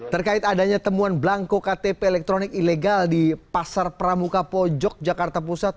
terkait adanya temuan belangko ktp elektronik ilegal di pasar pramuka pojok jakarta pusat